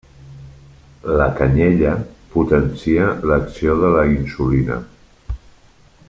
La canyella potencia l'acció de la insulina.